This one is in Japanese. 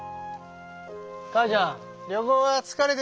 母ちゃん旅行は疲れてねえがよ？